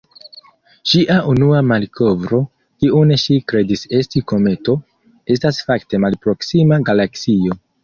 Ŝia unua malkovro, kiun ŝi kredis esti kometo, estas fakte malproksima galaksio.